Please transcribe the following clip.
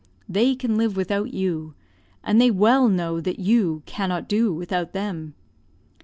They can live without you, and they well know that you cannot do without them.